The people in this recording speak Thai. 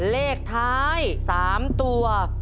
เลขท้าย๓ตัว